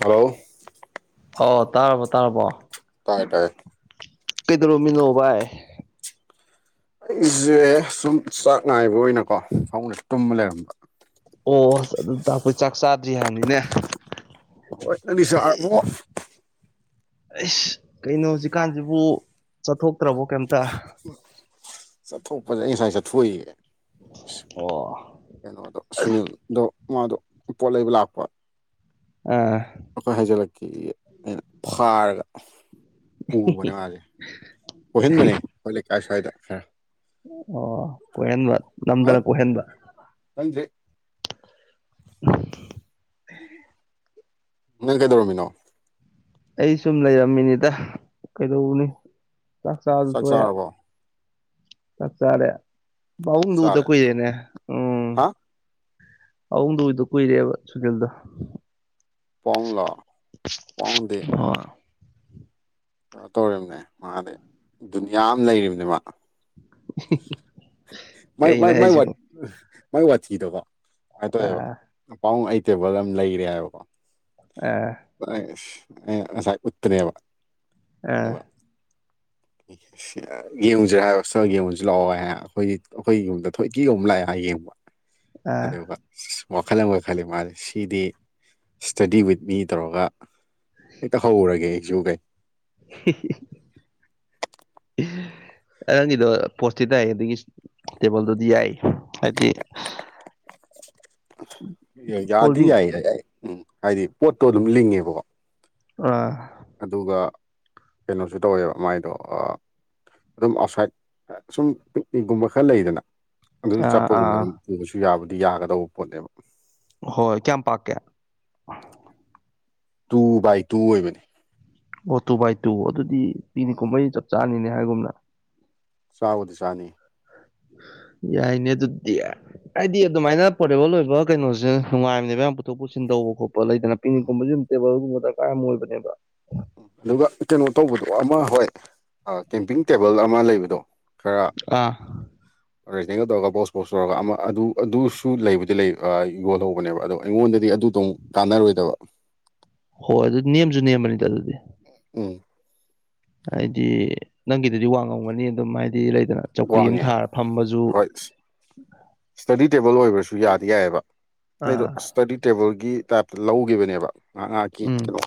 Hello ꯑꯣ ꯇꯥꯔꯕꯣ ꯇꯥꯔꯕꯣ ꯇꯥꯏꯦ ꯇꯥꯏ ꯀꯩꯗꯔꯣꯃꯤꯂꯣ ꯚꯥꯏ ꯑꯩꯁꯦ ꯁꯨꯝ ꯆꯥꯛ ꯅꯥꯥꯏꯕ ꯑꯣꯏꯅꯀꯣꯅ ꯇꯨꯝꯕ ꯂꯩꯔꯝꯕ ꯑꯣ ꯑꯁ ꯑꯗꯨ ꯇꯥꯛꯄꯩ ꯆꯥꯛ ꯆꯥꯗ꯭ꯔꯤ ꯍꯥꯏꯕꯅꯤꯅꯦ ꯍꯁꯨ ꯑꯁ ꯀꯩꯅꯣ ꯍꯧꯖꯤꯛꯀꯥꯟꯁꯤꯕꯨ ꯆꯠꯊꯣꯛꯇ꯭ꯔꯕꯣ ꯀꯩꯝꯇ ꯆꯠꯊꯣꯛꯄꯁꯦ ꯑꯩ ꯉꯁꯋꯥꯥꯏ ꯆꯠꯊꯣꯛꯏꯒ ꯑꯣ ꯀꯩꯅꯣꯗꯣ ꯁꯨꯅꯤꯜꯗꯣ ꯃꯥꯗꯣ ꯄꯣꯠ ꯂꯩꯕ ꯂꯥꯛꯄ ꯑ ꯑꯩꯅ ꯐꯥꯔꯒ ꯄꯨꯕꯅꯦ ꯃꯥꯁꯦ ꯑꯣꯏꯣꯏꯍꯟꯕꯅꯦ ꯑꯩꯈꯣꯏ ꯂꯩꯀꯥꯏ ꯁ꯭ꯋꯥꯏꯗ ꯈꯔ ꯑꯣ ꯀꯣꯏꯍꯟꯕ ꯅꯝꯗꯅ ꯀꯣꯏꯍꯟꯕ ꯂꯝꯖꯦ ꯎ ꯏ ꯀꯥꯏꯗꯣꯔꯃꯤꯅꯣ ꯑꯩ ꯁꯨꯝ ꯂꯩꯔꯝꯃꯤꯅꯤꯗ ꯀꯩꯗꯧꯕꯅꯤ ꯆꯥꯛ ꯆꯥꯗꯨ ꯊꯣꯛꯑꯦ ꯆꯞ ꯆꯥꯔꯦ ꯄꯥꯕꯨꯡꯗꯨꯗ ꯀꯨꯏꯔꯦꯅꯦ ꯎꯝ ꯑꯗꯏꯗ ꯀꯨꯏꯔꯦꯕ ꯁꯨꯀꯤꯜꯗ ꯄꯥ ꯑ ꯀꯩꯅꯣ ꯇꯧꯔꯤꯕꯅꯦ ꯃꯥꯗꯤ ꯗꯨꯅꯤꯌꯥ ꯑꯃ ꯂꯩꯔꯤꯕꯅꯦ ꯃꯥ ꯃ ꯀꯩꯅꯣ ꯃꯥꯏ ꯋꯥ ꯍꯥꯏꯁꯤꯕꯣ ꯃꯥꯏ ꯋꯥꯊꯤꯗꯀꯣ ꯀꯃꯥꯏꯅ ꯇꯧꯋꯦꯕ ꯑꯥ ꯃꯄꯥꯎ ꯑꯩ ꯇꯦꯕꯜ ꯑꯃ ꯂꯩꯔꯦ ꯍꯥꯏꯕꯀꯣ ꯑꯥ ꯑꯁꯥꯏ ꯄꯨꯠꯇꯦꯕ ꯑ ꯌꯦꯡꯁꯤ꯭ꯔꯦ ꯍꯥꯏꯇ ꯌꯦꯡꯉꯨꯁꯨ ꯂꯥꯛꯑꯣ ꯍꯥꯏ ꯑꯩꯈꯣꯏ ꯑꯩꯈꯣꯏꯒꯤꯒꯨꯝꯕꯗ ꯊꯣꯏꯇꯤꯒꯨꯝ ꯂꯥꯛꯑꯦ ꯍꯥꯏ ꯌꯦꯡꯕ ꯑꯗꯕ ꯋꯥꯈꯜ ꯑꯃꯒ ꯈꯜꯂꯤ ꯃꯥꯁꯦ ꯁꯤꯗꯤ ꯏꯁꯇꯗꯤ ꯋꯤꯠ ꯃꯤ ꯇꯧꯔꯒ ꯍꯦꯛꯇ ꯍꯧꯔꯒꯦ ꯑꯩꯁꯨ ꯀꯩ [unintelligible] ꯑꯉꯥꯡꯒꯤꯗꯣ ꯄꯣꯁꯇꯤ ꯇꯥꯏ ꯑꯗꯨꯗꯒꯤ ꯇꯦꯕꯜꯗꯨꯗꯤ ꯌꯥꯏ ꯍꯥꯏꯗꯤ ꯌꯥꯗꯤ ꯐꯣꯜꯗꯤꯡ ꯌꯥꯏꯌꯦ ꯌꯥꯏ ꯎꯝ ꯍꯥꯏꯗꯤ ꯄꯣꯠꯇꯣ ꯑꯗꯨꯝ ꯂꯤꯡꯉꯦꯕꯀꯣ ꯑ ꯑꯗꯨꯒ ꯀꯩꯅꯣꯁꯨ ꯇꯧꯋꯦꯕ ꯃꯥꯏꯗꯣ ꯑꯗꯨꯝ ꯑꯥꯎꯠꯁꯥꯏꯠ ꯁꯨꯝ ꯄꯤꯛꯅꯤꯛꯒꯨꯝꯕ ꯈꯔ ꯂꯩꯗꯅ ꯑꯗꯨ ꯑꯥ ꯑꯥ ꯆꯠꯄꯒꯨꯝꯗꯅꯝ ꯄꯨꯕꯁꯨ ꯌꯥꯕꯨꯗꯤ ꯌꯥꯒꯗꯧꯕ ꯄꯣꯠꯅꯦꯕ ꯍꯣꯏ ꯀꯌꯥꯝ ꯄꯥꯛꯀꯦ ꯇꯨ ꯕꯥꯏ ꯇꯨ ꯑꯣꯏꯕꯅꯤ ꯑꯣ ꯇꯨ ꯕꯥꯏ ꯇꯨ ꯑꯗꯨꯗꯤ ꯄꯤꯅꯤ ꯀꯨꯝꯕꯩ ꯆꯞ ꯆꯥꯅꯤꯅꯦ ꯍꯥꯏꯒꯨꯝꯅ ꯆꯎꯗꯤ ꯆꯅꯤ ꯏꯏ ꯏꯅꯦ ꯑꯦꯗꯤ ꯑꯗꯨ ꯃꯥꯏꯅ ꯄꯔꯦꯕ ꯂꯣ ꯀꯩꯅꯣꯁꯦ ꯅꯨꯡꯉꯥꯏꯕꯅꯦꯕ ꯌꯥꯝ ꯄꯨꯊꯣꯛ ꯄꯨꯁꯤꯟ ꯇꯧꯕ ꯈꯣꯠꯄ ꯂꯩꯗꯅ ꯄꯤꯅꯤꯛꯀꯨꯝꯕꯁꯨ ꯇꯦꯕꯜ ꯗ ꯀꯥꯏ ꯑꯃꯣꯜꯕꯅꯦꯕ ꯑꯗꯨꯒ ꯀꯩꯅꯣ ꯇꯧꯕꯗꯣ ꯑꯃ ꯍꯣꯏ ꯀꯦꯝꯄꯤꯡ ꯇꯦꯕꯜ ꯑꯃ ꯂꯩꯕꯗꯣ ꯈꯔ ꯑꯥ ꯑꯣꯔꯤꯖꯅꯦꯒ ꯇꯧꯔꯒ ꯕꯣꯁ ꯣꯁ ꯇꯧꯔꯒ ꯑꯃ ꯑꯗꯨ ꯑꯗꯨꯁꯨ ꯂꯩꯕꯨꯗꯤ ꯂꯩ ꯌꯣꯜꯍꯧꯕꯅꯦꯕ ꯑꯗꯣ ꯑꯩꯉꯣꯟꯗꯗꯤ ꯑꯗꯨꯗꯧ ꯀꯥꯟꯅꯔꯣꯏꯗꯕ ꯍꯣꯏ ꯑꯗꯨꯗꯤ ꯅꯤꯌꯝꯁꯨ ꯅꯤꯌꯝꯅꯤꯗ ꯑꯗꯨꯗꯤ ꯎ ꯍꯥꯏꯗꯤ ꯅꯪꯒꯤꯗꯗꯤ ꯋꯥꯡ ꯉꯝꯒꯅꯤ ꯑꯗꯨꯝ ꯍꯥꯏꯗꯤ ꯑꯗꯨꯅ ꯆꯧꯀ꯭ꯔꯤ ꯑꯃ ꯊꯥꯔ ꯐꯝꯕꯁꯨ ꯏꯁꯇꯗꯤ ꯇꯦꯕꯜ ꯑꯣꯏꯕ꯭ꯔꯁꯨ ꯌꯥꯗꯤ ꯌꯥꯏꯑꯕ ꯑꯩꯗꯣ ꯑꯥ ꯏꯁ꯭ꯇꯗꯤ ꯇꯦꯕꯜꯒꯤ ꯇꯥꯏꯞ ꯂꯧꯒꯤꯈꯤꯕꯅꯦꯕ ꯉꯥꯏꯍꯥꯛ ꯉꯥꯏꯍꯥꯛꯀꯤ ꯎꯝ ꯀꯩꯅꯣ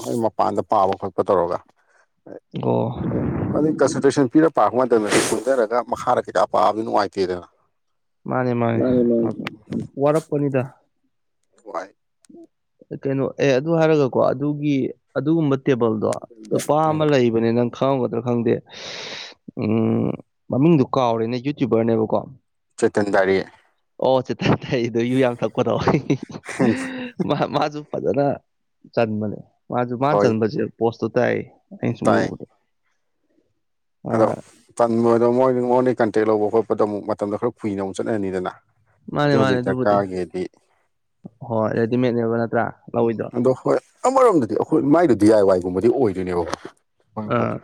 ꯍꯣꯏ ꯃꯄꯥꯟꯗ ꯄꯥꯕ ꯈꯣꯠꯄ ꯇꯧꯔꯒ ꯣ ꯄꯄꯤꯔ ꯄꯥꯄ ꯃꯇꯝꯗ ꯁꯣꯟꯊꯔꯒ ꯃꯈꯥꯗ ꯀꯩꯀꯥ ꯄꯥꯕꯗꯤ ꯅꯨꯡꯉꯥꯏꯇꯦꯗꯅ ꯃꯥꯅꯦ ꯃꯥꯅꯦ ꯋꯥꯔꯛꯄꯅꯤꯗ ꯍꯚꯣꯏ ꯀꯩꯅꯣ ꯑꯦ ꯑꯗꯨ ꯍꯥꯏꯔꯒꯀꯣ ꯑꯗꯨꯒꯤ ꯑꯗꯨꯒꯨꯝꯕ ꯇꯦꯕꯜꯗꯣ ꯂꯨꯄꯥ ꯑꯃ ꯂꯩꯕꯅꯦ ꯅꯪ ꯈꯪꯉꯒꯗ꯭ꯔꯥ ꯈꯪꯗꯦ ꯎꯝ ꯃꯃꯤꯡꯗꯨ ꯀꯥꯎꯔꯦꯅꯦ ꯌꯨꯇ꯭ꯌꯨꯕꯔꯅꯦꯕꯀꯣ ꯆꯦꯇꯟꯗꯥꯔꯤ ꯑꯣ ꯆꯤꯊꯊꯗꯁꯨ ꯌꯥꯝ ꯊꯛꯄꯗꯣ ꯑꯩ ꯃꯥꯁꯨ ꯐꯖꯅ ꯆꯟꯕꯅꯦ ꯃꯥꯁꯨ ꯃꯥꯅ ꯆꯟꯕꯁꯦ ꯄꯣꯁꯇꯣ ꯇꯥꯏ ꯑꯁꯨ ꯃꯗ ꯑꯗꯣ ꯇꯟꯕꯗꯣ ꯃꯣꯏ ꯃꯣꯟꯗꯒꯤ ꯀꯟꯇꯦꯛ ꯂꯧꯕ ꯈꯣꯠꯄꯗꯣ ꯑꯃꯨꯛ ꯃꯇꯝꯗꯣ ꯈꯔ ꯀꯨꯏꯅ ꯑꯃꯨꯛ ꯆꯠꯅꯅꯤꯗꯅ ꯃꯥꯅꯦ ꯃꯥꯅꯦ ꯑꯗꯨꯕꯨꯗꯤ ꯍꯣꯏ ꯔꯦꯗꯤꯃꯦꯗꯅꯦꯕ ꯅꯠꯇ꯭ꯔꯥ ꯎꯝ ꯂꯧꯋꯤꯗꯣ ꯑꯗꯣ ꯍꯣꯏ ꯑꯃꯔꯣꯝꯗꯗꯤ ꯑꯩꯈꯣꯏ ꯃꯥꯏꯗꯨ ꯗꯤ ꯑꯥꯏ ꯋꯥꯏꯒꯨꯝꯕꯗꯤ ꯑꯣꯏꯗꯣꯏꯅꯦꯕ ꯄꯣꯠ ꯑꯥ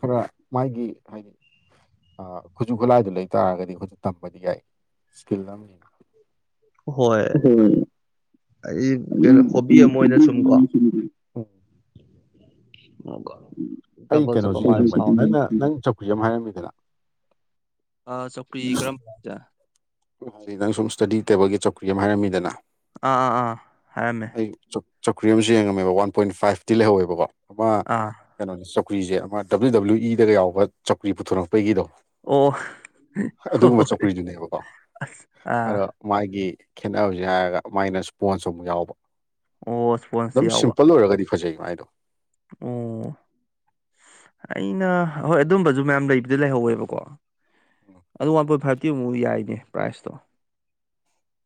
ꯈꯔ ꯃꯥꯒꯤ ꯍꯥꯏꯗꯤ ꯈꯨꯠꯁꯨ ꯈꯨꯠꯂꯥꯏꯗꯨ ꯂꯩ ꯇꯥꯔꯒꯗꯤ ꯑꯩꯁꯨ ꯇꯝꯕꯗꯤ ꯌꯥꯏ ꯏꯁꯀꯤꯜ ꯑꯝꯅꯤꯅ ꯍꯣꯏ ꯑꯩ ꯀꯩꯅꯣ ꯍꯣꯕꯤ ꯑꯃ ꯑꯣꯏꯅ ꯎ ꯁꯨꯝꯀꯣ [unintelligible] ꯑꯩ ꯗꯕꯜ ꯆꯠꯄ ꯀꯩꯅꯣꯁꯤ ꯃꯥꯜꯂꯦ ꯈꯪꯕꯅꯤ ꯁꯥꯎꯟ ꯅꯪꯅ ꯅꯪ ꯆꯧꯀꯤ ꯑꯃ ꯍꯥꯏꯔꯝꯃꯤꯗꯅ ꯑꯥ ꯆꯧꯀ꯭ꯔꯤ ꯀꯔꯝꯕ ꯍꯥꯏꯗꯤ ꯅꯪ ꯁꯨꯝ ꯏꯁꯇꯗꯤ ꯇꯦꯕꯜꯒꯤ ꯆꯧꯀ꯭ꯔꯤ ꯑꯃ ꯍꯥꯏꯔꯝꯃꯤꯗꯅ ꯑꯥ ꯑꯥ ꯑꯥ ꯍꯥꯏꯔꯝꯃꯦ ꯆꯧꯀ꯭ꯔꯤ ꯑꯃꯁꯨ ꯌꯦꯡꯉꯝꯃꯦꯕ ꯋꯥꯟ ꯄꯣꯏꯟ ꯐꯥꯏꯚꯇꯤ ꯂꯩꯍꯧꯋꯦꯕꯀꯣ ꯑꯃ ꯑꯥ ꯆꯧꯀ꯭ꯔꯤꯁꯦ ꯑꯃ ꯗꯕ꯭ꯂꯤꯎ ꯗꯕ꯭ꯂꯤꯎ ꯏꯗ ꯌꯥꯎꯕ ꯆꯧꯀ꯭ꯔꯤ ꯄꯨꯊꯣꯔꯛꯄꯒꯤꯗꯣ ꯑꯣ ꯍꯣꯏ ꯑꯗꯨꯒꯨꯝꯕ ꯍꯣꯏ ꯆꯧꯀ꯭ꯔꯤꯗꯨꯅꯦꯕꯀꯣ ꯑꯁ ꯑꯥ ꯑꯗꯣ ꯃꯥꯒꯤ ꯈꯦꯠꯅꯕꯁꯦ ꯍꯥꯏꯔꯒ ꯃꯥꯏꯅ ꯏꯁꯄꯣꯟꯁ ꯑꯃꯨꯛ ꯌꯥꯎꯕ ꯑꯣ ꯏꯁꯄꯣꯟꯁꯁꯨ ꯑꯗꯨꯝ ꯌꯥꯎꯕ ꯁꯤꯝꯄꯜ ꯑꯣꯏꯔꯒꯗꯤ ꯐꯖꯩ ꯃꯥꯏꯗꯣ ꯑꯣ ꯑꯩꯅ ꯍꯣꯏ ꯑꯗꯨꯝꯕꯁꯨ ꯃꯌꯥꯝ ꯂꯩꯕꯗꯤ ꯂꯩꯍꯧꯋꯦꯕꯀꯣ ꯑꯗꯨ ꯋꯥꯟ ꯄꯣꯏꯟ ꯐꯥꯏꯚꯇꯤ ꯑꯃꯨ ꯌꯥꯏꯅꯦ ꯄ꯭ꯔꯥꯏꯖꯇꯣ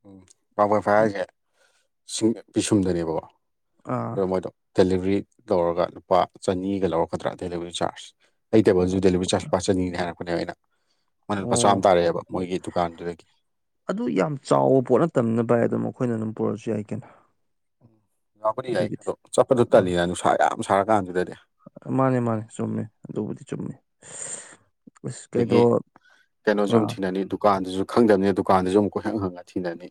ꯎꯝ ꯄꯥꯕꯣꯏ ꯐꯥꯏ ꯍꯥꯏꯁꯦ ꯁꯤꯡ ꯄꯤꯁꯨꯝꯗꯅꯦꯕꯀꯣ ꯑꯥ ꯑꯗꯣ ꯃꯣꯏꯗꯣ ꯗꯦꯂꯤꯚꯔꯤ ꯇꯧꯔꯒ ꯂꯨꯄꯥ ꯆꯅꯤꯒ ꯂꯧꯔꯛꯀꯗ꯭ꯔꯥ ꯗꯦꯂꯤꯚꯔꯤ ꯆꯥꯔꯖ ꯑꯩ ꯇꯦꯕꯜꯁꯨ ꯗꯦꯂꯤꯚꯔꯤ ꯆꯥꯔꯖ ꯄꯥꯛ ꯆꯅꯤ ꯍꯥꯏꯔꯛꯄꯅꯦꯕ ꯑꯩꯅ ꯃꯅꯠ ꯃꯆꯥ ꯑꯣ ꯑꯃ ꯇꯥꯔꯛꯑꯦꯕ ꯃꯣꯏꯒꯤ ꯗꯨꯀꯥꯟꯗꯨꯗꯒꯤ ꯇꯝꯅꯕ ꯍꯥꯏ ꯑꯗꯨꯝ ꯃꯈꯣꯏꯅ ꯑꯗꯨꯝ ꯄꯨꯔꯛꯁꯨ ꯌꯥꯏ ꯀꯩꯅ ꯎꯝ ꯌꯥꯎꯕꯗꯤ ꯌꯥꯏ ꯑꯗꯣ ꯆꯠꯄꯗꯣ ꯑꯥ ꯇꯜꯂꯤ ꯅꯨꯡꯁꯥ ꯌꯥꯝ ꯁꯥꯔ ꯀꯥꯟꯗꯨꯗꯗꯤ ꯃꯥꯅꯦ ꯃꯥꯅꯦ ꯆꯨꯝꯃꯦ ꯑꯗꯨꯕꯨꯗꯤ ꯆꯨꯝꯃꯦ ꯑꯁ ꯀꯩꯗꯣ ꯗꯒꯤ ꯀꯩꯅꯣꯁꯨ ꯑꯗꯨꯝ ꯑꯥ ꯊꯤꯅꯅꯤ ꯗꯨꯀꯥꯟꯗꯁꯨ ꯈꯪꯗꯕꯅꯤ ꯗꯨꯀꯥꯟꯗꯁꯨ ꯑꯗꯨꯝ ꯀꯣꯏꯍꯪ ꯍꯪꯉꯅꯤ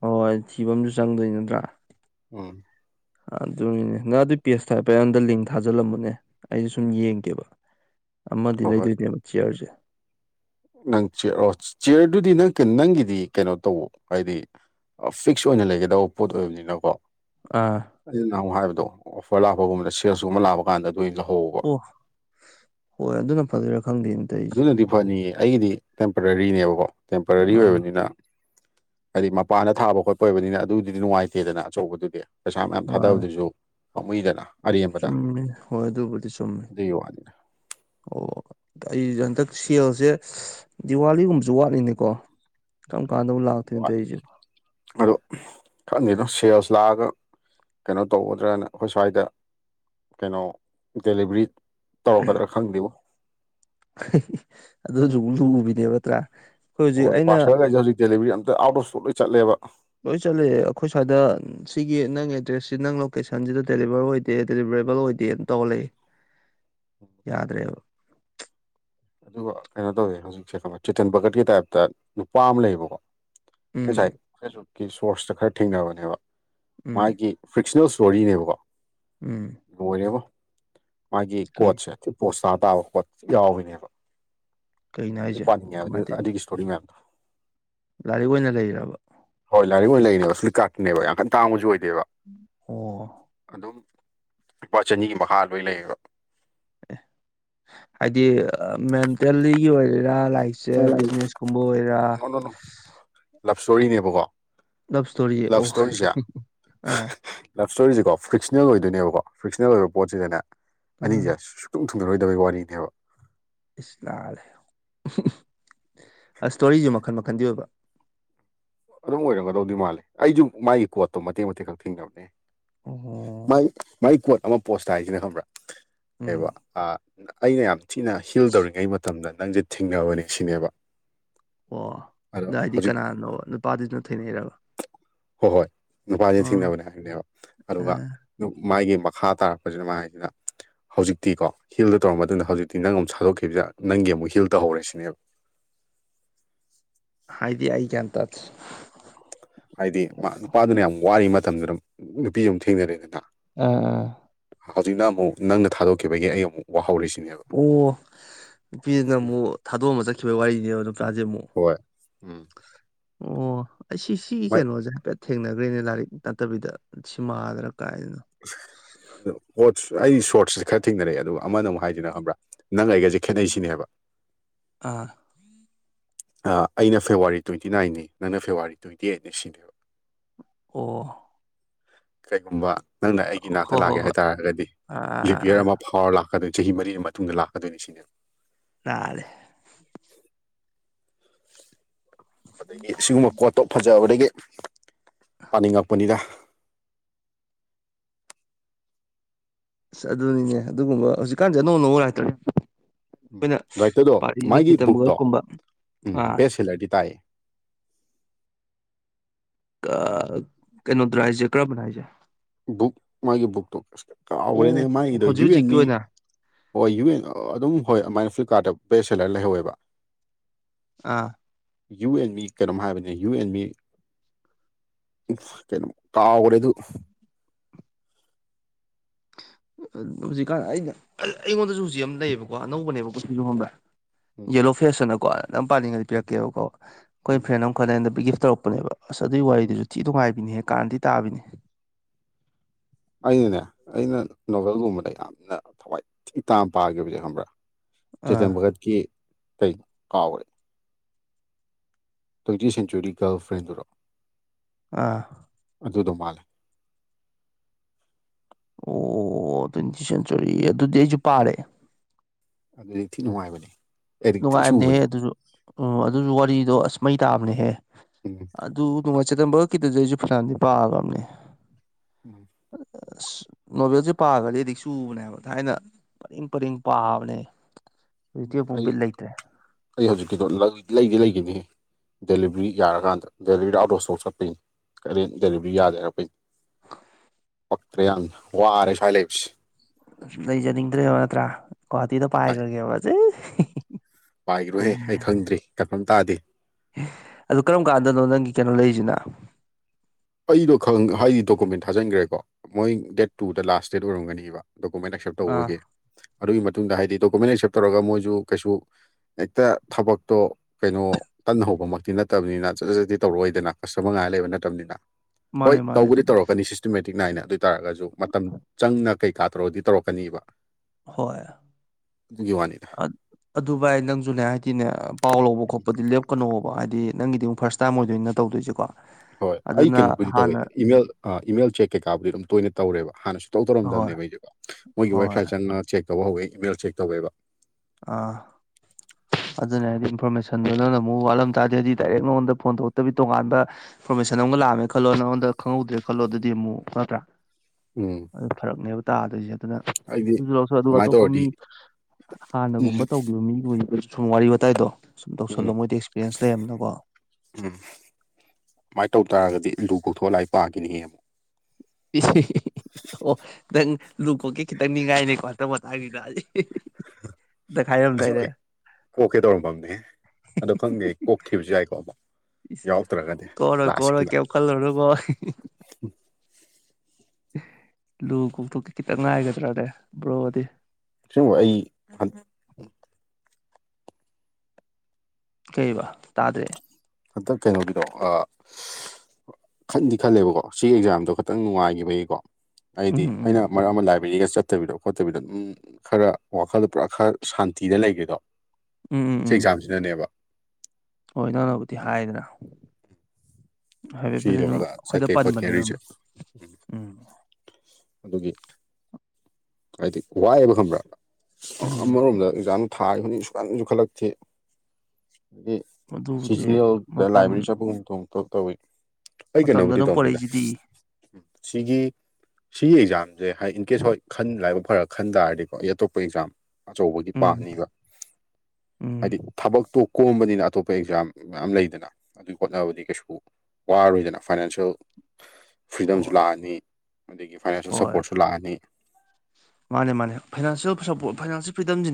ꯍꯣꯏꯣꯏ ꯊꯤꯕꯝꯁꯨ ꯆꯪꯗꯣꯏ ꯅꯠꯇ꯭ꯔꯥ ꯑꯗꯨꯅꯤꯅꯦ ꯉꯥ ꯑꯗꯨꯒꯤ ꯄꯦꯖꯇ ꯍꯥꯏꯐꯦꯠ ꯑꯗ ꯂꯤꯡ ꯊꯥꯖꯤꯜꯂꯝꯃꯣꯅꯦ ꯑꯩꯁꯦ ꯁꯨꯝ ꯌꯦꯡꯒꯦꯕ ꯑꯃꯗꯤ ꯂꯩꯗꯣꯏꯅꯦꯕ ꯆꯤꯌꯥꯔꯁꯦ ꯅꯪ ꯆ ꯑꯣ ꯆꯤꯌꯔꯗꯨꯗꯤ ꯅꯪ ꯅꯪꯒꯤꯗꯤ ꯀꯩꯅꯣ ꯇꯧꯑꯣ ꯍꯥꯏꯗꯤ ꯐꯤꯛꯁ ꯑꯣꯏꯅ ꯂꯩꯒꯗꯕ ꯄꯣꯠ ꯑꯣꯏꯕꯅꯤꯅꯀꯣ ꯑꯥ ꯑꯩꯅ ꯅꯍꯨ ꯍꯥꯏꯕꯗꯣ ꯑꯣꯐꯔ ꯂꯥꯛꯄꯒꯨꯝꯕꯗ ꯁꯦꯜꯁꯒꯨꯝꯕ ꯂꯥꯛꯄ ꯀꯥꯟꯗ ꯑꯣ ꯍꯣꯏ ꯑꯗꯨꯅ ꯐꯗꯨꯏꯔꯥ ꯈꯪꯗꯦ ꯑꯗꯨꯅꯗꯤ ꯐꯅꯤꯌꯦ ꯑꯩꯒꯤꯗꯤ ꯇꯦꯝꯄꯔꯔꯤꯅꯦꯕꯀꯣ ꯇꯦꯝꯄꯔꯔꯤ ꯑꯥ ꯑꯣꯏꯕꯅꯤꯅ ꯍꯥꯏꯗꯤ ꯃꯄꯥꯟꯗ ꯊꯥꯕ ꯈꯣꯠꯄ ꯑꯣꯏꯕꯅꯤꯅ ꯑꯗꯨꯗꯨꯗꯤ ꯅꯨꯡꯉꯥꯏꯇꯦꯗꯅ ꯑꯆꯧꯕꯗꯨꯗꯤ ꯄꯩꯁꯥ ꯃꯌꯥꯝ ꯊꯥꯗꯕꯗꯨꯁꯨ ꯄꯥꯥꯃꯨꯏꯗꯅ ꯆꯨꯝꯃꯦ ꯍꯣꯏ ꯑꯗꯨꯕꯨꯗꯤ ꯆꯨꯝꯃꯦ ꯑꯣ ꯑꯩꯁ ꯍꯟꯗꯛ ꯁꯦꯜꯁꯦ ꯗꯤꯋꯥꯂꯤꯒꯨꯝꯕꯁꯨ ꯋꯥꯠꯂꯤꯅꯦꯀꯣ ꯀꯥꯟꯗꯨ ꯂꯥꯛꯇꯦꯟ ꯇꯧꯋꯤꯖꯤꯕꯣ ꯈꯛꯅꯤꯗ ꯁꯦꯜꯁ ꯂꯥꯛꯑꯒ ꯀꯩꯅꯣ ꯇꯧꯒꯗ꯭ꯔꯅ ꯑꯈꯣꯏ ꯁ꯭ꯋꯥꯏꯗ ꯀꯩꯅꯣ ꯗꯦꯂꯤꯚ꯭ꯔꯤ ꯇꯧꯔꯛꯀꯗ꯭ꯔꯥ ꯈꯪꯗꯦꯕꯣ ꯍ ꯑꯗꯨꯖꯨ ꯃꯨꯛ ꯁꯨꯎ ꯎꯕꯤꯗꯦꯕ ꯅꯦꯠꯇ꯭ꯔꯥ ꯍꯣꯏ ꯄꯥꯔꯁꯦꯜꯒꯩꯁꯦ ꯍꯧꯖꯤꯛ ꯗꯦꯂꯤꯕꯔꯤ ꯑꯝꯇ ꯑꯥꯎꯠ ꯑꯣꯐ ꯏꯁꯇꯣꯛ ꯂꯣꯏ ꯆꯠꯂꯦꯕ ꯂꯣꯏ ꯆꯠꯂꯦ ꯑꯈꯣꯏ ꯁ꯭ꯋꯥꯏꯗ ꯁꯤꯒꯤ ꯅꯪ ꯑꯦꯗ꯭ꯔꯦꯁꯁꯤ ꯅꯪ ꯂꯣꯀꯦꯁꯟꯁꯤꯗ ꯗꯦꯂꯤꯚꯔ ꯑꯣꯏꯗꯦ ꯗꯦꯂꯤꯚꯔ ꯔꯦꯕꯜ ꯑꯣꯏꯗꯦꯅ ꯇꯧ ꯂꯩ ꯌꯥꯗ꯭ꯔꯦꯕ ꯑꯗꯨꯒ ꯀꯩꯅꯣ ꯇꯧꯋꯦ ꯍꯧꯖꯤꯛꯁꯦ ꯆꯦꯇꯟ ꯕꯀꯠꯀꯤ ꯇꯥꯏꯞꯇ ꯅꯨꯄꯥ ꯑꯝ ꯂꯩꯌꯦꯕꯀꯣ ꯎꯝ ꯉꯁꯥꯏ ꯐꯦꯁꯕꯨꯛꯀꯤ ꯁꯣꯔꯁꯇ ꯈꯔ ꯊꯦꯡꯅꯕꯅꯦꯕ ꯎꯝ ꯃꯥꯒꯤ ꯐ꯭ꯔꯤꯛꯁꯅꯦꯜ ꯇꯣꯔꯤꯅꯦꯕꯀꯣ ꯎꯝ ꯂꯣꯏꯔꯦꯕꯣ ꯃꯥꯒꯤ ꯀꯩ ꯀꯣꯠꯁꯦ ꯄꯣꯁ ꯇꯥ ꯇꯥꯕ ꯈꯣꯠ ꯌꯥꯎꯋꯤꯅꯦꯕ ꯀꯩꯅꯣ [unintelligible] ꯍꯥꯏꯁꯦ ꯀꯃꯥꯏꯅ ꯇꯧꯔꯤꯅꯣ ꯗꯤꯁ ꯒꯣ ꯔꯤ ꯃꯌꯥꯝ ꯗꯨ ꯂꯥꯏꯔꯤꯛ ꯑꯣꯏꯅ ꯂꯩꯔꯕ ꯂꯥꯏꯔꯤꯛ ꯑꯣꯏꯅ ꯂꯩꯔꯤꯕ ꯐꯂꯤꯞ ꯀꯥꯀꯤꯅꯦꯕ ꯌꯥꯝꯈꯟ ꯇꯥꯡꯕꯁꯨ ꯑꯣꯏꯗꯦꯕ ꯑꯣ ꯑꯗꯨꯝ ꯂꯨꯄꯥ ꯆꯅꯤꯒꯤ ꯃꯈꯥ ꯂꯣꯏ ꯂꯩꯌꯦꯕ ꯍꯥꯏꯗꯤ ꯃꯦꯟꯇꯦꯜꯂꯤꯒꯤ ꯑꯣꯏꯒꯔꯥ ꯂꯥꯏ ꯑꯩꯁꯦ ꯕꯤꯖꯤꯅꯦꯁ ꯀꯨꯝꯕ ꯑꯣꯏꯔ ꯁꯣꯔꯤꯅꯦꯕꯀꯣ ꯂꯕ ꯁꯇꯣꯔꯤ ꯑꯣ ꯑ ꯂꯞ ꯏꯁꯇꯣꯔꯤꯁꯦꯀꯣ ꯐꯤꯛꯁꯅꯦꯜ ꯑꯣꯏꯗꯣꯏꯅꯦꯕꯀꯣ ꯐꯤꯛꯁꯅꯦꯜ ꯑꯣꯏꯕ ꯄꯣꯠꯁꯤꯗꯅꯦ ꯑꯅꯤꯁꯦ ꯑꯥ ꯁꯨ ꯐꯪꯗꯔꯣꯏꯗꯕꯒꯤ ꯋꯥꯔꯤꯅꯦꯕ ꯏꯁ ꯂꯥ ꯑꯁ ꯏꯁꯇꯣꯔꯤꯁꯨ ꯃꯈꯟ ꯃꯈꯟꯗꯤ ꯑꯣꯏꯕ ꯑꯗꯨꯝ ꯑꯣꯏꯔꯝꯒꯗꯧꯗꯤ ꯃꯥꯜꯂꯦ ꯑꯩꯁꯨ ꯃꯥꯒꯤ ꯀꯣꯠꯇꯣ ꯃꯇꯦꯛ ꯃꯇꯦꯛ ꯈꯛ ꯊꯦꯡꯅꯕꯅꯦ ꯑꯣ ꯃꯥꯏ ꯃꯥꯏ ꯀꯣꯠ ꯑꯃ ꯄꯣꯁꯇ ꯍꯥꯏꯁꯤꯅ ꯈꯪꯕ꯭ꯔꯥ ꯑꯦꯕ ꯎꯝ ꯑꯩꯅ ꯌꯥꯝ ꯊꯤꯅ ꯍꯤꯜ ꯇꯧꯔꯤꯉꯩ ꯃꯇꯝꯗ ꯅꯪꯁꯦ ꯊꯦꯡꯅꯕꯅꯤ ꯁꯤꯅꯦꯕ ꯑꯣ ꯒꯥꯥꯏꯗꯤ ꯀꯅꯥꯅꯣ ꯅꯨꯄꯥꯗꯨꯁꯨꯅ ꯊꯦꯡꯅꯩꯔꯕ ꯍꯣꯏ ꯍꯣꯏ ꯅꯨꯄꯥꯁꯦ ꯑꯥ ꯊꯤꯡꯅꯕꯅꯦ ꯍꯥꯏꯕꯅꯦꯕ ꯑꯗꯨꯒ ꯑꯥ ꯃꯥꯒꯤ ꯃꯈꯥ ꯇꯥꯔꯛꯄꯁꯤꯅ ꯃꯥ ꯍꯥꯏꯁꯤꯅ ꯍꯧꯖꯤꯛꯇꯤꯀꯣ ꯍꯤꯜꯗ ꯇꯧꯔ ꯃꯇꯨꯡꯗ ꯍꯧꯖꯤꯛꯇꯤ ꯅꯪ ꯑꯃꯨꯛ ꯁꯥꯗꯣꯛꯈꯤꯕꯁꯤꯗ ꯅꯪꯒꯤ ꯑꯃꯨꯛ ꯍꯤꯜ ꯇꯧ ꯍꯧꯧꯔꯦꯁꯤꯅꯦꯕ ꯍꯥꯏꯗꯤ ꯀ ꯇ ꯍꯥꯏꯗꯤ ꯅꯨꯄꯥꯗꯨꯅ ꯌꯥꯝ ꯋꯥꯔꯤ ꯃꯇꯝꯗꯨꯅ ꯅꯨꯄꯤꯁꯨ ꯑꯃꯝ ꯊꯦꯡꯅꯔꯦꯗꯅ ꯑ ꯑꯥ ꯍꯧꯖꯤꯛꯅ ꯑꯃꯨꯛ ꯅꯪꯅ ꯊꯥꯗꯣꯛꯈꯤꯕꯒꯤ ꯑꯩ ꯑꯃꯨꯛ ꯋꯥꯍꯧꯔꯤꯁꯤ ꯑꯣ ꯅꯨꯄꯤꯗꯨꯅ ꯑꯃꯨꯛ ꯊꯥꯗꯣꯛꯑꯒ ꯆꯠꯈꯤꯕꯒꯤ ꯋꯥꯔꯤꯅꯦꯕ ꯅꯨꯄꯥꯁꯦ ꯑꯃꯨꯛ ꯍꯣꯏ ꯎꯝ ꯑꯣ ꯑꯩ ꯁꯤ ꯁꯤꯒꯤ ꯀꯩꯅꯣꯁꯦ ꯍꯥꯏꯐꯦꯠ ꯊꯦꯡꯅꯈ꯭ꯔꯦꯅꯦ ꯂꯥꯏꯔꯤꯛ ꯅꯠꯇꯕꯤꯗ ꯁꯤ ꯃꯥꯗ꯭ꯔꯥ ꯀꯥꯏꯗꯅ ꯑꯩ ꯁꯣꯔꯠꯁꯦ ꯈꯥꯏ ꯊꯦꯡꯅꯔꯛꯑꯦ ꯑꯗꯨ ꯑꯃꯅ ꯑꯃꯨꯛ ꯍꯥꯏꯁꯤꯅ ꯈꯪꯕ꯭ꯔꯥ ꯅꯪ ꯑꯩꯒꯁꯦ ꯈꯦꯠꯅꯩꯁꯤꯅꯦꯕ ꯑꯥ ꯑꯩꯅ ꯐꯦꯕꯋꯥꯔꯤ ꯇ꯭ꯋꯦꯟꯇꯤ ꯅꯥꯏꯅꯤ ꯅꯪꯅ ꯐꯦꯕꯋꯥꯔꯤ ꯇ꯭ꯋꯦꯟꯇꯤ ꯑꯩꯠꯅꯦ ꯁꯤꯅꯦꯕ ꯑꯣ ꯀꯩꯒꯨꯝꯕ ꯅꯪꯅ ꯑꯩꯒꯤ ꯍꯣ ꯅꯥꯛꯇ ꯍꯣ ꯂꯥꯛꯒꯦ ꯍꯣꯏ ꯍꯥꯏꯇꯥꯥꯔꯒꯗꯤ ꯂꯤꯄꯤꯌꯔ ꯑꯥ ꯑꯃ ꯐꯥꯎꯔ ꯂꯥꯛ ꯂꯥꯛꯀꯗꯣꯏꯅꯤ ꯆꯍꯤ ꯃꯔꯤꯒꯤ ꯃꯇꯨꯡꯗ ꯂꯥꯛꯀꯗꯣꯏꯅꯤ ꯁꯤꯅꯦ ꯂꯥꯔ ꯑꯗꯒꯤ ꯁꯤꯒꯨꯝꯕ ꯄꯣꯠꯇꯣ ꯐꯖꯕꯗꯒꯤ ꯄꯥꯅꯤꯡꯉꯛꯄꯅꯤꯅ ꯑꯁ ꯑꯗꯨꯅꯤꯅꯦ ꯑꯗꯨꯒꯨꯝꯕ ꯍꯧꯖꯤꯛꯀꯥꯟꯁꯦ ꯑꯅꯧ ꯑꯅꯧ ꯍꯥꯏꯇꯥꯔꯦ ꯑꯩꯈꯣꯏꯅ ꯄꯥꯔꯤꯁꯤꯅ ꯆꯇꯝꯕꯒꯣꯏ ꯀꯨꯝꯕ ꯑꯥ [inaudible] ꯑ ꯀꯩꯅꯣ ꯗ꯭ꯔꯥꯏꯁꯦ ꯀ ꯅꯥꯏꯁꯦ ꯕꯨꯛ ꯃꯥꯒꯤ ꯑꯣ ꯕꯨꯛꯇꯣꯔꯦꯅꯦ ꯍꯧꯖꯤꯛ ꯃꯥꯒꯤꯗꯣ ꯌꯨ ꯑꯦꯟ ꯍꯧꯖꯤꯛꯀꯤ ꯃꯤ ꯑꯣꯏꯅ ꯍꯣꯏ ꯌꯨ ꯑꯦꯟ ꯑꯗꯨꯝ ꯍꯣꯏ ꯑꯗꯨꯃꯥꯏꯅ ꯐ꯭ꯂꯤꯞꯀꯥꯔꯠꯇ ꯕꯦꯁ ꯁꯦꯂꯔ ꯂꯩꯍꯧꯋꯦꯕ ꯑꯥ ꯌꯨ ꯑꯦꯟ ꯃꯤ ꯀꯔꯝ ꯍꯥꯏꯕꯅꯤ ꯌꯨ ꯑꯦꯟ ꯃꯤ ꯀꯩꯅꯣ ꯀꯥꯥꯎꯒꯔꯦ ꯑꯗꯨ ꯍꯧꯖꯤꯛꯀꯥꯟ ꯑꯩꯅ ꯑꯩꯉꯣꯟꯗꯁꯨ ꯍꯧꯖꯤꯛ ꯌꯥꯝ ꯂꯩꯌꯦꯕꯀꯣ ꯑꯅꯧꯕꯅꯦꯕ ꯀꯣꯁꯨ ꯈꯕ꯭ꯔꯥ ꯌꯦꯂꯣ ꯐꯦꯁꯇꯅꯀꯣ ꯅꯪ ꯄꯥꯅꯤꯡꯉꯗꯤ ꯄꯤꯔꯛꯀꯦꯕꯀꯣ ꯑꯩꯈꯣꯏ ꯐ꯭ꯔꯦꯟ ꯑꯃꯈꯛꯉꯗ ꯒꯤꯐ ꯇꯧꯔꯛꯄꯅꯦꯕ ꯑꯁ ꯑꯗꯨꯏ ꯋꯥꯔꯤꯗꯨꯁꯨ ꯊꯤ ꯅꯨꯡꯉꯥꯏꯕꯤꯅꯤ ꯍꯦꯛ ꯀꯥꯟꯅꯗꯤ ꯇꯥꯕꯤꯅꯤ ꯑꯩꯅꯅꯦ ꯑꯩꯅ ꯅꯣꯚꯦꯜꯒꯨꯝꯕꯗ ꯌꯥꯝꯅ ꯊꯋꯥꯏ ꯏ ꯇ ꯄꯥꯈꯤꯕꯁꯦ ꯈꯪꯕ꯭ꯔꯥ ꯆꯇꯦꯝ ꯑꯥ ꯚꯥꯒꯠꯀꯤ ꯇ ꯀꯥꯎ꯭ꯔꯦ ꯇ꯭ꯋꯦꯟꯇꯤ ꯁꯦꯟꯆꯨꯔꯤ ꯒ ꯐ꯭ꯔꯦꯟꯗꯨꯔꯣ ꯑꯥ ꯑꯗꯨꯗꯣ ꯃꯥꯜꯂꯦ ꯑꯣ ꯇ꯭ꯋꯦꯟꯇꯤ ꯁꯦꯟꯆꯨꯔꯤ ꯑꯗꯨꯗꯤ ꯑꯩꯁꯨ ꯄꯥꯔꯦ ꯑꯗꯨꯗꯤ ꯊꯤ ꯅꯨꯡꯉꯥꯏꯕꯅꯦ ꯅꯨꯡꯉꯥꯏꯕꯅꯦꯍꯦ ꯑꯗꯨꯁꯨ ꯎ ꯑꯗꯨꯁꯨ ꯋꯥꯔꯤꯗꯣ ꯑꯁ ꯃꯩ ꯇꯥꯕꯅꯦꯍꯦ ꯑꯗꯨ ꯅꯨꯡꯉꯥꯏꯆꯗꯕ ꯀꯈꯤꯇꯗ ꯑꯩꯁꯨ ꯐꯅꯥꯟꯗꯤ ꯄꯥꯒꯕꯅꯦ ꯎꯝ ꯑꯁ ꯅꯣꯚꯦꯜꯁꯦ ꯄꯥꯒꯗꯤꯗꯤꯛ ꯆꯨꯕꯅꯦꯕ ꯊꯥꯏꯅ ꯄꯔꯤꯡ ꯄꯔꯤꯡ ꯄꯥꯕꯅꯦ ꯇ [unintelligible] ꯑꯩ ꯑꯩ ꯍꯧꯖꯤꯛꯀꯤꯗꯣ ꯂꯩꯗꯤ ꯂꯩꯈꯤꯅꯤ ꯗꯦꯂꯤꯕꯔꯤ ꯌꯥꯔꯀꯥꯟꯗ ꯗꯦꯂꯤꯕꯔꯤ ꯑꯥꯎꯠ ꯑꯣꯐ ꯏꯁꯇꯣꯛ ꯆꯠꯄꯩꯅꯤ ꯀꯔꯤꯦꯟ ꯗꯦꯂꯤꯕꯔꯤ ꯌꯥꯗꯦꯔꯛꯄꯩꯅꯤ ꯌꯥ ꯋꯥꯔꯦ ꯁꯥꯏꯂꯦꯁ ꯂꯩꯖꯅꯤꯡꯗ꯭ꯔꯦꯕ ꯅꯠꯇ꯭ꯔꯥ ꯒꯨꯍꯥꯇꯤꯗꯣ ꯄꯥꯏꯈ꯭ꯔꯒꯦꯕꯁꯦ ꯄꯥꯏꯈ꯭ꯔꯣꯍꯦ ꯑꯩ ꯈꯪꯗ꯭ꯔꯤ ꯀꯟꯐꯝ ꯇꯥꯗꯦ ꯑꯗꯨ ꯀꯔꯝ ꯀꯥꯟꯗꯅꯣ ꯅꯪꯒꯤ ꯀꯩꯅꯣ ꯂꯩꯔꯤꯁꯤꯅ ꯑꯩꯗꯣ ꯈ ꯍꯥꯏꯗꯤ ꯗꯣꯀꯨꯃꯦꯟ ꯊꯥꯖꯤꯟꯈ꯭ꯔꯦꯀꯣ ꯃꯣꯏ ꯗꯦꯠ ꯇꯨꯗ ꯂꯥꯁ ꯗꯦꯠ ꯑꯣꯏꯔꯝꯒꯅꯦꯕ ꯗꯣꯀꯨꯃꯦꯟ ꯑꯦꯛꯁꯦꯞ ꯑꯥ ꯇꯧꯕꯒꯤ ꯑꯗꯨꯒꯤ ꯃꯇꯨꯡꯗ ꯍꯥꯏꯗꯤ ꯗꯣꯀꯨꯃꯦꯟ ꯑꯦꯛꯁꯦꯞ ꯇꯧꯔꯒ ꯃꯣꯏꯁꯨ ꯀꯩꯁꯨ ꯍꯦꯛꯇ ꯊꯕꯛꯇꯣ ꯀꯩꯅꯣ ꯇꯟꯅꯍꯧꯕ ꯑꯧꯕꯃꯛꯇꯤ ꯅꯠꯇꯕꯅꯤꯅ ꯆꯠ ꯆꯠꯗꯤ ꯇꯧꯔꯛꯑꯣꯏꯗꯅ ꯀꯁꯇꯃꯔ ꯉꯥꯏ ꯂꯩꯕ ꯅꯠꯇꯕꯅꯤꯅ ꯍꯣꯏ ꯃꯥꯅꯦ ꯃꯥꯅꯦ ꯇꯧꯕꯗꯤ ꯑꯗꯨꯕꯨꯗꯤ ꯇꯧꯔꯛꯀꯅꯤ ꯁꯤꯁꯇꯦꯃꯦꯇ ꯊꯥꯔꯇꯤꯛ ꯅꯥꯏꯅ ꯑꯗꯨ ꯑꯣꯏ ꯇꯥꯔꯒꯁꯨ ꯃꯇꯝ ꯆꯪꯅ ꯀꯩꯀꯥ ꯇꯧꯔꯒꯗꯤ ꯇꯧꯔꯛꯀꯅꯤꯕ ꯍꯣꯏ ꯑꯗꯨ ꯚꯥꯏ ꯅꯪꯁꯨꯅꯦ ꯍꯥꯏꯗꯤꯅꯦ ꯄꯥꯎ ꯂꯧꯕ ꯈꯣꯠꯄꯗꯤ ꯂꯦꯞꯀꯅꯣꯕ ꯍꯥꯏꯗꯤ ꯅꯪꯒꯤꯗꯤ ꯑꯃꯨ ꯐꯥꯔꯁ ꯇꯥꯏꯝ ꯑꯣꯏꯗꯣꯏꯅ ꯇꯧꯗꯣꯏꯁꯁꯤꯀꯣ ꯍꯣꯏ ꯑꯩ ꯀꯩꯅꯣꯕꯨꯗꯤ ꯇꯧꯋꯦ ꯏꯃꯦꯜ ꯏꯃꯦꯜ ꯆꯦꯛ ꯀꯩꯀꯥꯕꯨꯗꯤ ꯑꯗꯨꯝ ꯇꯣꯏꯅ ꯇꯧꯔꯦꯕ ꯍꯥꯟꯅꯁꯨ ꯇꯧ ꯍꯣꯏ ꯇꯧꯔꯝꯗꯕꯅꯦꯕ ꯑꯩꯁꯦꯀꯣ ꯃꯣꯏꯒꯤ ꯍꯣꯏ ꯋꯦꯕꯁꯥꯏꯠꯁ ꯆꯦꯛ ꯇꯧꯕ ꯍꯧꯋꯦ ꯏꯃꯦꯜ ꯆꯦꯛ ꯇꯧꯋꯦꯕ ꯑꯥ ꯑꯗꯨꯅ ꯍꯥꯏꯗꯤ ꯏꯟꯐꯣꯔꯃꯦꯁꯟꯗꯨ ꯅꯅ ꯑꯃꯨꯛ ꯋꯥꯠꯂꯝ ꯇꯔꯗꯤ ꯗꯥꯏꯔꯦꯛ ꯅꯉꯣꯟꯗ ꯐꯣꯟ ꯊꯣꯛꯧꯛꯇꯕ ꯇꯣꯉꯥꯟꯕ ꯏꯟꯐꯣꯔꯃꯦꯁꯟ ꯑꯃ ꯂꯥꯛꯑꯃꯦ ꯈꯜꯂꯣ ꯅꯉꯣꯟꯗ ꯈꯪꯍꯧꯗ꯭ꯔꯦ ꯈꯜꯂꯣ ꯑꯗꯨꯗꯤ ꯑꯃꯨꯛ ꯅꯠꯇ꯭ꯔꯥ ꯑꯗꯨ ꯐꯔꯛꯅꯦꯕ ꯇꯥꯗꯣꯏꯁꯦ ꯑꯗꯨꯅ ꯑꯗꯨꯁꯨ ꯂꯧꯁꯤ ꯑꯗꯨꯒ ꯑꯇꯣꯞꯄ ꯃꯤ ꯍꯥꯟꯅꯒꯨꯝꯕ ꯇꯧꯈꯤꯕ ꯃꯤꯒꯤ ꯑꯣꯏꯕ ꯁꯨꯝ ꯋꯥꯔꯤ ꯋꯥꯇꯥꯏꯗꯣ ꯁꯨꯝ ꯇꯧꯁꯜꯂꯣ ꯎꯝ ꯃꯣꯏꯗꯤ ꯑꯦꯛꯁꯄꯤꯔꯤꯌꯦꯟꯁ ꯂꯩꯔꯝꯅꯀꯣ ꯎꯝ ꯑꯗꯨꯃꯥꯏꯅ ꯇꯧ ꯇꯥꯔꯒꯗꯤ ꯂꯨ ꯀꯧꯊꯣꯛꯂꯥꯏ ꯄꯥꯈꯤꯅꯤꯍꯦ ꯑꯃꯨꯛ ꯑꯣ ꯈꯤꯇꯪ ꯂꯨ ꯀꯣꯛꯀꯦ ꯈꯤꯇꯪ ꯅꯤꯡꯉꯥꯏꯅꯤꯀꯣ ꯑꯪ ꯃꯇꯥꯡꯒꯤꯗ ꯗ ꯈꯥꯏ ꯑꯃ ꯊꯅꯦ ꯀꯣꯛꯀꯦ ꯇꯧꯔꯝꯐꯝꯅꯦ ꯑꯗꯣ ꯈꯪꯗꯦ ꯀꯣꯛꯈꯤꯕꯁꯨ ꯌꯥꯏꯀꯣꯕꯣ ꯀꯣꯔꯣ ꯀꯣꯔꯔꯣꯏ ꯀꯦ ꯀꯜ ꯂꯔꯅꯨꯀꯣ ꯂꯨ ꯀꯣꯛꯊꯣꯛꯀ ꯈꯤꯇꯪ ꯉꯥꯏꯒꯗ꯭ꯔꯅꯦ ꯕ꯭ꯔꯣꯗꯤ ꯁꯤꯕ ꯑꯩ ꯀꯩꯕ ꯇꯥꯗ꯭ꯔꯦ ꯍꯟꯇ ꯀꯩꯅꯣꯒꯤꯗꯣ ꯑ ꯈꯟꯗꯤ ꯈꯜꯂꯦꯕꯀꯣ ꯁꯤꯒꯤ ꯑꯦꯛꯖꯥꯝꯗꯣ ꯈꯤꯇꯪ ꯅꯨꯡꯉꯥꯏꯈꯤꯕꯒꯤꯀꯣ ꯎꯝ ꯑꯩꯗꯤ ꯎꯝ ꯎꯝ ꯑꯩꯅ ꯃꯔꯛ ꯑꯃ ꯂꯥꯏꯕ꯭ꯔꯦꯔꯤꯒ ꯆꯠ ꯐꯠꯇꯕꯤꯗꯣ ꯈꯣꯠꯇꯕꯤꯗꯣ ꯑꯗꯨꯝ ꯈꯔ ꯋꯥꯈꯜꯗ ꯄꯨꯔꯥ ꯈꯔ ꯁꯥꯟꯇꯤꯗ ꯂꯩꯒꯦꯗꯣ ꯎꯝ ꯎꯝ ꯎꯝ ꯍꯣꯏ ꯅꯅꯕꯨꯗꯤ ꯍꯥꯏꯗ꯭ꯔꯥ ꯍꯥꯏꯐꯦꯠꯄꯗꯤ ꯑꯗꯨꯝ ꯑꯩꯈꯣꯏꯗ ꯄꯟꯕꯅꯦ ꯅꯪꯗꯣ ꯎꯝ ꯑꯗꯨꯒꯤ ꯍꯥꯏꯗꯤ ꯋꯥꯏꯑꯕ ꯈꯪꯕ꯭ꯔꯥ ꯎꯝ ꯑꯃꯔꯣꯝꯗ ꯏꯀꯖꯝ ꯊꯥꯏ ꯍꯅꯤ ꯁꯨꯀꯥꯟ ꯖꯨꯈꯂꯛꯇꯦ꯫ ꯑꯗꯒꯤ ꯑꯗꯨꯕꯨꯗꯤ ꯁꯤꯖꯤꯅꯦꯜꯗ ꯃꯇꯝ ꯂꯥꯏꯕꯅꯤ ꯆꯐ ꯊꯣꯛꯣꯡ ꯇꯧꯋꯤ ꯑꯩ ꯃꯇꯝꯗ ꯀꯩꯅꯣꯕꯨꯗꯤ ꯑꯗꯨꯝ ꯇꯧꯅꯤꯗ ꯄꯣꯔꯛꯏꯁꯤꯗꯤ ꯁꯤꯒꯤ ꯁꯤꯒꯤ ꯑꯦꯛꯖꯥꯝꯁꯦ ꯍꯥꯏ ꯏꯟ ꯀꯦꯁ ꯍꯣꯏ ꯈꯟ ꯂꯥꯏꯕꯛ ꯐꯔ ꯈꯟ ꯇꯥꯔꯗꯤ ꯑꯩ ꯑꯇꯣꯞꯄ ꯑꯦꯛꯖꯥꯝ ꯑꯆꯧꯕꯒꯤ ꯎꯝ ꯄꯥꯝꯅꯤꯕ ꯎꯝ ꯍꯥꯏꯗꯤ ꯊꯕꯛꯇꯣ ꯀꯣꯝꯕꯅꯤꯅ ꯑꯇꯣꯞꯄ ꯑꯦꯛꯖꯥꯝ ꯃꯌꯥꯝ ꯂꯩꯗꯅ ꯑꯗꯨꯏ ꯍꯣꯠꯅꯕꯗꯤ ꯀꯩꯁꯨ ꯋꯥꯔꯣꯏꯗꯅ ꯐꯥꯏꯅꯥꯟꯁꯤꯌꯦꯦꯜ ꯐ꯭ꯔꯤꯗꯝꯁꯨ ꯍꯣꯏ ꯂꯥꯛꯑꯅꯤ ꯑꯗꯒꯤ ꯐꯥꯏꯅꯥꯟꯁꯤꯌꯦꯦꯜ ꯍꯣꯏ ꯁꯄꯣꯔꯠꯁꯨ ꯂꯥꯛꯑꯅꯤ ꯃꯥꯅꯦ ꯃꯥꯅꯦ ꯐꯥꯏꯅꯥꯟꯁꯤꯌꯦꯜ ꯁꯄꯣꯔ ꯐꯥꯏꯅꯥꯟꯁꯤꯌꯦꯜ ꯐ꯭ꯔꯤꯗꯝꯁꯤꯅꯤ